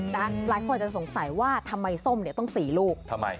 หลายคนจะสงสัยว่าทำไมส้มต้อง๔ลูก